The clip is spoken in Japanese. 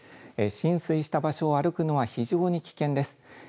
浸水した場所を歩くのは非常に危険です。